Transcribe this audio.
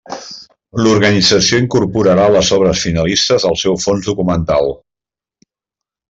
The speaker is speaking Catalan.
L'organització incorporarà les obres finalistes al seu fons documental.